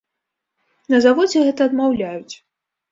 На заводзе гэта адмаўляюць.